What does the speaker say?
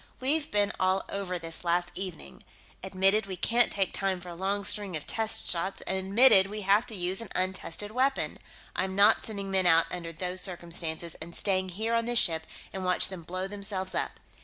We've been all over this last evening. Admitted we can't take time for a long string of test shots, and admitted we have to use an untested weapon; I'm not sending men out under those circumstances and staying here on this ship and watch them blow themselves up.